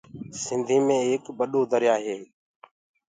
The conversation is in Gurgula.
سنڌي مي ايڪ ٻڏو دريآ هي۔